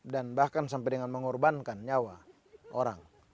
dan bahkan sampai dengan mengorbankan nyawa orang